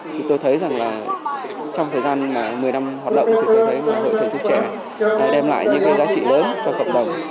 thì tôi thấy rằng là trong thời gian một mươi năm hoạt động thì thầy thuốc trẻ đem lại những cái giá trị lớn cho cộng đồng